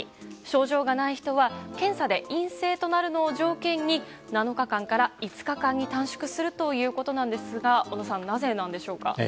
症状がない人は検査で陰性となるのを条件に７日間から５日間に短縮するということなんですが小野さん、なぜなんでしょうか。